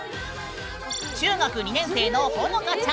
中学２年生の中２。